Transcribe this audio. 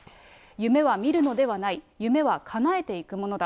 夢は見るのではない、夢はかなえていくものだ。